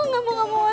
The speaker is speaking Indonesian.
gak mau gak mau